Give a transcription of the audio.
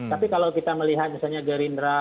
tapi kalau kita melihat misalnya gerindra